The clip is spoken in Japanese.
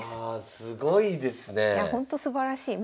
すごいですねえ。